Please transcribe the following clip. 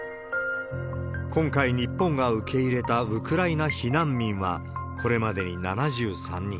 今回、日本が受け入れたウクライナ避難民は、これまでに７３人。